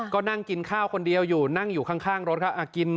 ก็นั่งกินข้าวคนเดียวอยู่นั่งอยู่ข้างรถครับ